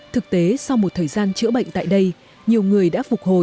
thực tế sau một thời gian chữa bệnh tại đây nhiều người đã phục hồi